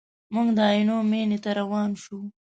موږ د عینو مینې ته روان شوو.